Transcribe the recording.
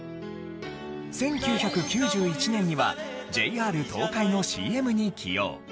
１９９１年にはＪＲ東海のＣＭに起用。